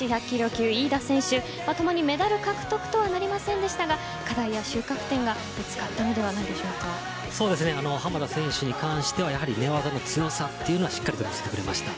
級飯田選手ともにメダル獲得とはなりませんでしたが課題や収穫点が見つかったのでは濱田選手に関しては寝技の強さというのはしっかりと見せてくれました。